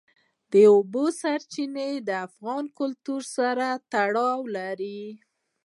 د اوبو سرچینې د افغان کلتور سره تړاو لري.